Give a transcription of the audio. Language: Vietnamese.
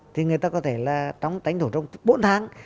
thì người ta có thể là trong tánh thủ trong bốn tháng